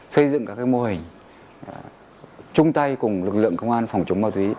xây dựng các mô hình chung tay cùng lực lượng công an phòng chống ma túy